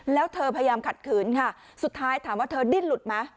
แล้วเธอพยายามขัดขืนค่ะสุดท้ายถามว่าเธอดิ้นหลุดไหม